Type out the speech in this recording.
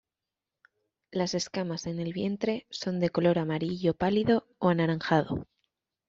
Las escamas en el vientre son de color amarillo pálido o anaranjado.